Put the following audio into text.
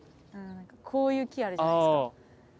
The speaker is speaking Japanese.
こういう木あるじゃないですか。